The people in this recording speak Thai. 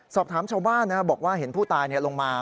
ชาวบ้านบอกว่าเห็นผู้ตายลงมา